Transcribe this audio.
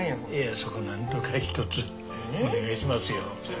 そこをなんとかひとつお願いしますよ。